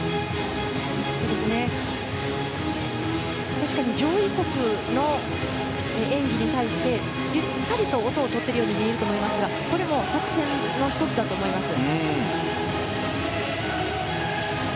確かに上位国の演技に対してゆったりと音をとっているように見えますがこれも作戦の１つだと思います。